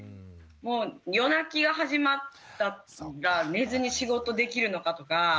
夜泣きが始まったら寝ずに仕事できるのかとか。